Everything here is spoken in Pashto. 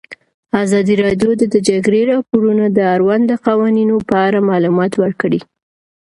ازادي راډیو د د جګړې راپورونه د اړونده قوانینو په اړه معلومات ورکړي.